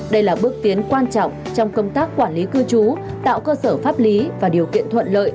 đây là bước tiến quan trọng trong công tác quản lý cư trú tạo cơ sở pháp lý và điều kiện thuận lợi